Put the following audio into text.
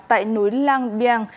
tại núi lang biang